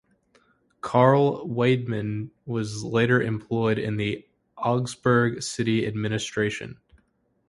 Karl Wiedemann was later employed in the Augsburg city administration.